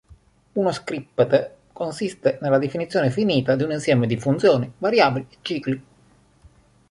Uno script consiste nella definizione finita di un insieme di funzioni, variabili, cicli.